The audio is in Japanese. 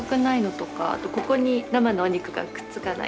あとここに生のお肉がくっつかないかとか。